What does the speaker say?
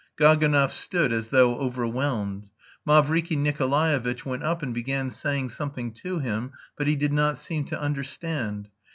Gaganov stood as though overwhelmed. Mavriky Nikolaevitch went up and began saying something to him, but he did not seem to understand.